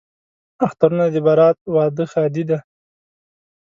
اخترونه دي برات، واده، ښادي ده